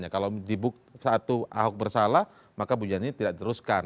kalau dibuk satu ahok bersalah maka bunyian ini tidak diteruskan